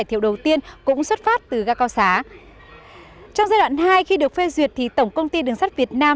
trong giai đoạn hai khi được phê duyệt thì tổng công ty đường sắt việt nam